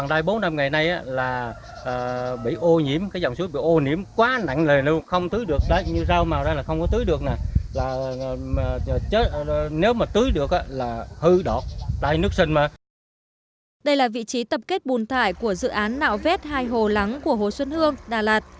đây là vị trí tập kết bùn thải của dự án nạo vét hai hồ lắng của hồ xuân hương đà lạt